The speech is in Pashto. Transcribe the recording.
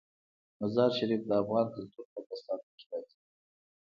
مزارشریف د افغان کلتور په داستانونو کې راځي.